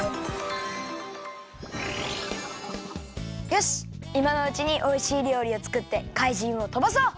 よしいまのうちにおいしいりょうりをつくってかいじんをとばそう！